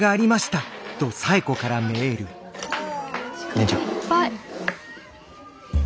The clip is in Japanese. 姉ちゃん。